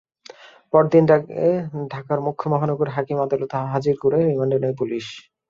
পরদিন তাঁকে ঢাকার মুখ্য মহানগর হাকিম আদালতে হাজির করে রিমান্ডে নেয় পুলিশ।